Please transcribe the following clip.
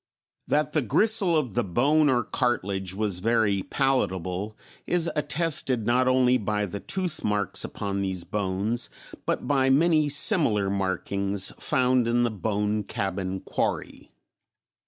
That the gristle of the bone or cartilage was very palatable is attested not only by the toothmarks upon these bones, but by many similar markings found in the Bone Cabin Quarry.